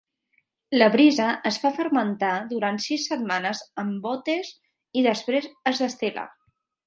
La brisa es fa fermentar durant sis setmanes en bótes i després es destil·la.